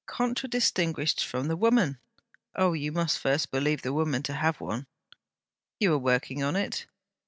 'Contra distinguished from the woman?' 'Oh! you must first believe the woman to have one.' 'You are working on it?'